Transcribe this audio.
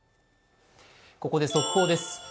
ここで速報です。